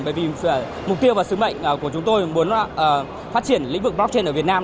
bởi vì mục tiêu và sứ mệnh của chúng tôi muốn phát triển lĩnh vực blockchain ở việt nam